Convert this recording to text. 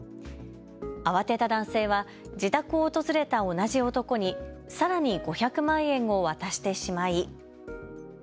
慌てた男性は自宅を訪れた同じ男にさらに５００万円を渡してしまい。